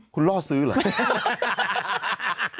คุณล่อซื้อเหรอ